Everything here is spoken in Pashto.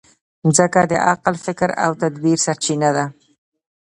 مځکه د عقل، فکر او تدبر سرچینه ده.